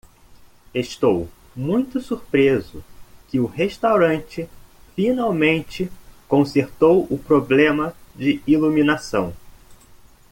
Estou muito surpreso que o restaurante finalmente consertou o problema de iluminação.